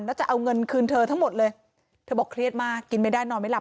แล้วจะเอาเงินคืนเธอทั้งหมดเลยเธอบอกเครียดมากกินไม่ได้นอนไม่หลับ